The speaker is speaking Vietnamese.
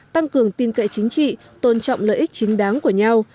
tăng cường tin cậy chính trị tôn trọng lợi ích chính đáng của nhau